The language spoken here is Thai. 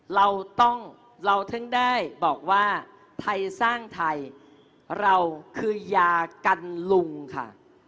เราต้องเราถึงได้บอกว่าไทยสร้างไทยเราคือยากันลุงค่ะ